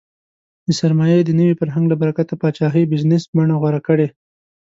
د سرمایې د نوي فرهنګ له برکته پاچاهۍ بزنس بڼه غوره کړې.